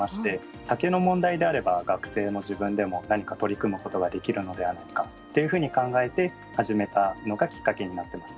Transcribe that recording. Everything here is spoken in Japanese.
竹の問題であれば学生の自分でも何か取り組むことができるのではないかっていうふうに考えて始めたのがきっかけになってます。